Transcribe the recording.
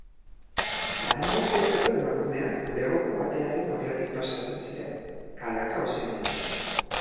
Adin guztietako emakumeak bulegoko atearen aurretik pasatzen ziren, kalaka ozenean.